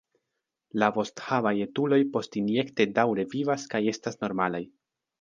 La vosthavaj etuloj postinjekte daŭre vivas kaj estas normalaj.